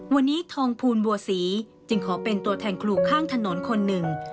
วันนี้ทองภูลบัวศรีจึงขอเป็นตัวแทนครูข้างถนนคนหนึ่ง